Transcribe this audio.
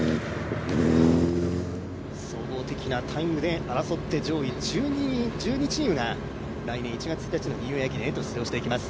総合的なタイムで争って、上位１２チームが来年１月１日のニューイヤー駅伝へと出場していきます。